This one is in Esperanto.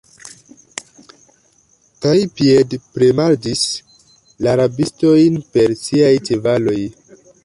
kaj piedpremadis la rabistojn per siaj ĉevaloj.